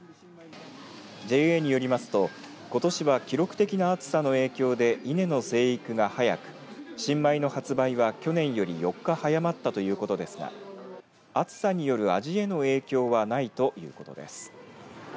ＪＡによりますと、ことしは記録的な暑さの影響で稲の生育が早く新米の発売は去年より４日早まったということですが暑さによる味への影響はないということです。